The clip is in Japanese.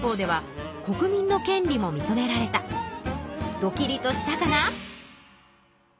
ドキリとしたかな？